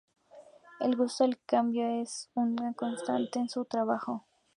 El gusto del cambio est una constante en su trabajo.